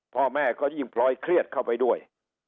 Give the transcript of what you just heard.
พ่อแม่ก็ยิ่งพลอยเครียดเข้าไปด้วย